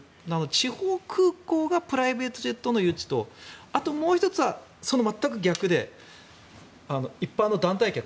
地方空港がプライベートジェットの誘致とあともう１つはその全く逆で一般の団体客。